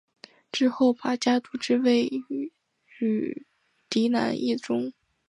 之后把家督之位让与嫡男义忠。